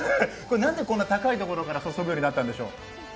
何でこんな高い所から注ぐようになったんでしょう？